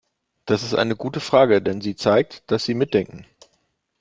Das ist eine gute Frage, denn sie zeigt, dass Sie mitdenken.